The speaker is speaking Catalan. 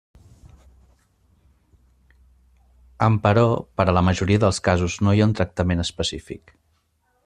Emperò, per a la majoria dels casos no hi ha un tractament específic.